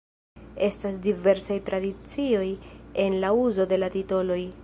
Estas diversaj tradicioj en la uzo de la titoloj.